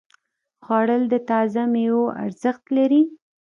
خوړل د تازه ميوو ارزښت لري